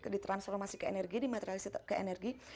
di transformasi ke energi dimaterialisasi ke energi